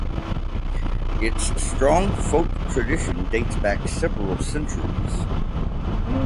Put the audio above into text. Its strong folk tradition dates back several centuries.